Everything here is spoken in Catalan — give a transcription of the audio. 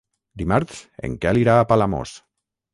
Dimarts en Quel irà a Palamós.